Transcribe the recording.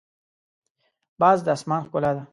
باز د اسمان ښکلا ده